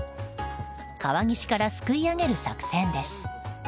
川岸からすくい上げる作戦です。